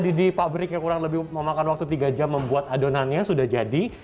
nah ini dia setelah saya tadi di pabrik yang kurang lebih memakan waktu tiga jam membuat adonannya sudah jadi